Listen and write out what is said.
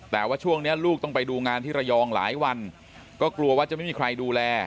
แต่ว่าช่วงนี้ลูกต้องไปดูงานที่ระยองหลายวันก็กลัวว่าจะไม่มีใครดูแล